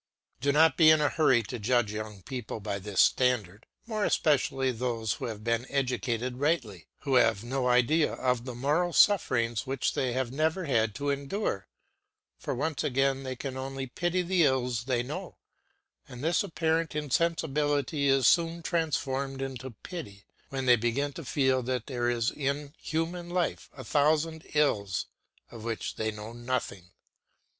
But do not be in a hurry to judge young people by this standard, more especially those who have been educated rightly, who have no idea of the moral sufferings they have never had to endure; for once again they can only pity the ills they know, and this apparent insensibility is soon transformed into pity when they begin to feel that there are in human life a thousand ills of which they know nothing.